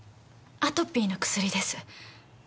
アトピーの薬です。